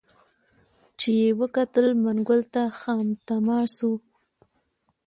چي یې وکتل منګول ته خامتما سو